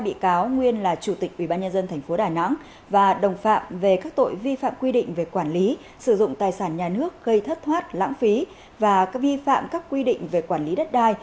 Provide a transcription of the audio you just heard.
văn hữu chiến là một mươi ba một mươi bốn năm tù về tội vi phạm quy định về quản lý sử dụng tài sản nhà nước gây thất thoát lãng phí từ năm sáu năm tù về tội vi phạm các quy định về quản lý đất đai